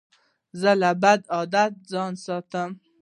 زه له بدو عادتو ځان ساتم.